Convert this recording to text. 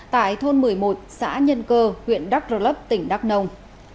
tại thôn một mươi một xã nhân cơ huyện đắk rơ lấp tỉnh đắk nông